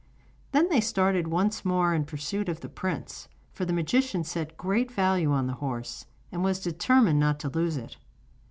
Then they started once more in pursuit of the prince, for the magician set great value on the horse, and was determined not to lose it.